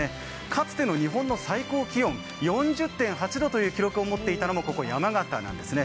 かつての日本の最高気温４０．８度という記録を持っていたのもここ、山形なんですね。